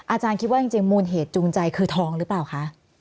อาจารย์คิดว่าจริงมูลเหตุจูงใจคือทองหรือเปล่าคะ